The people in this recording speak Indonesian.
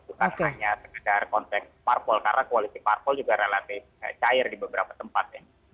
bukan hanya sekedar konteks parpol karena koalisi parpol juga relatif cair di beberapa tempat